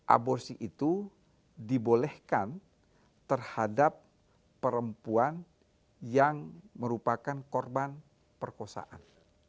aborsi itu dibolehkan terhadap perempuan yang merupakan korban perkosaan